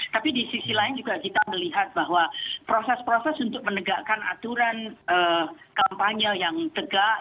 tapi di sisi lain juga kita melihat bahwa proses proses untuk menegakkan aturan kampanye yang tegak